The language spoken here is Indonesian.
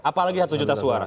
apalagi satu juta suara